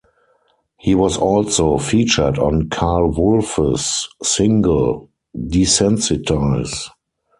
He was also featured on Karl Wolf's single "Desensitize".